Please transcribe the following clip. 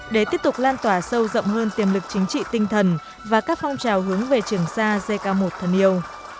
để tiếp tục lan tỏa sâu rộng hơn tiềm lực chính trị tinh thần và các phong trào hướng về trường sa gk một thân yêu